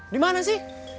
di mana sih